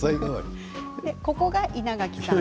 ここが、稲垣さん